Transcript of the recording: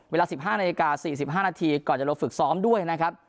เวลา๑๕นาฬิกา๔๕นาทีก่อนจะลงฝึกซ้อมด้วยนะครับ